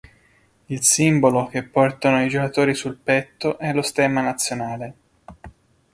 Il simbolo che portano i giocatori sul petto è lo stemma nazionale.